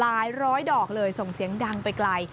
ร้อยดอกเลยส่งเสียงดังไปไกล